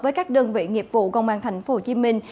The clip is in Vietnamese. với các đơn vị nghiệp vụ công an thành phố hồ chí minh